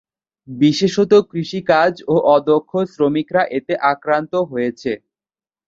বিশেষত কৃষি কাজ ও অদক্ষ শ্রমিকরা এতে আক্রান্ত হয়েছে।